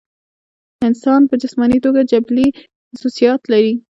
انسان پۀ جسماني توګه جبلي خصوصيات لري